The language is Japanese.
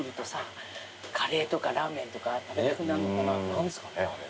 何ですかねあれ。